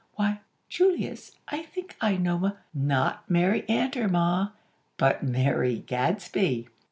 Why, Julius, I think I know M " "Not Mary Antor, Ma, but Mary Gadsby!"